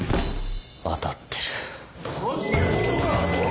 当たってる。